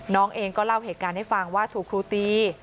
น้องเองก็เล่าเหตุการณ์ให้ฟังว่าถูกครูตี